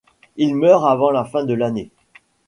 Il meurt avant la fin de l'année.